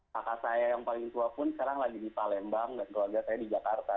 kakak saya yang paling tua pun sekarang lagi di palembang dan keluarga saya di jakarta